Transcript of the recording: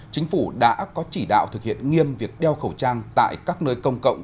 chính phủ đã có chỉ đạo thực hiện nghiêm việc đeo khẩu trang tại các nơi công cộng